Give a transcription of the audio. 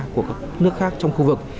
của các nước khác trong khu vực